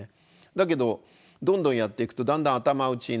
だけどどんどんやっていくとだんだん頭打ちになります。